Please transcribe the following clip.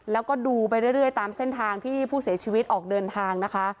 แล้วก็ดูไปเรื่อยตามเส้นทางที่ผู้เสียชีวิตออกเดินทางนะคะ